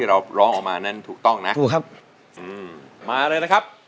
เราร้องออกมานั้นถูกต้องนะถูกครับอืมมาเลยนะครับ